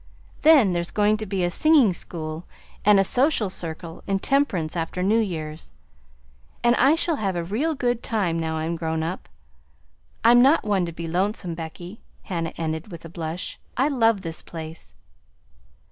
Then there's going to be a singing school and a social circle in Temperance after New Year's, and I shall have a real good time now I'm grown up. I'm not one to be lonesome, Becky," Hannah ended with a blush; "I love this place."